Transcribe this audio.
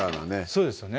そうですよね